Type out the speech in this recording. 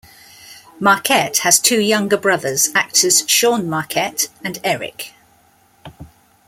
Marquette has two younger brothers, actors Sean Marquette and Eric.